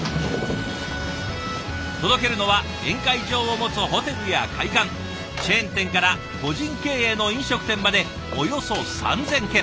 届けるのは宴会場を持つホテルや会館チェーン店から個人経営の飲食店までおよそ３，０００軒。